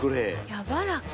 やわらか。